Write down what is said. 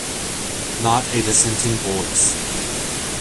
Not a dissenting voice.